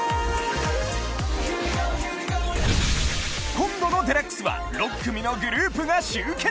今度の『ＤＸ』は６組のグループが集結！